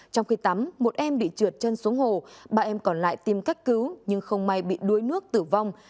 trong khi tắm một em bị trượt chân xuống hồ ba em còn lại tìm cách cứu nhưng không may bị đuối nước tử vong